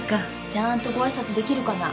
ちゃんとごあいさつできるかな？